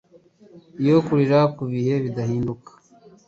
yo kurira ku bihe bidahinduka.